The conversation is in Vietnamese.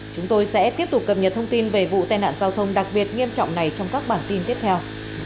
chúng tôi sẽ tiếp tục cập nhật thông tin về vụ tai nạn giao thông đặc biệt nghiêm trọng này trong các bản tin tiếp theo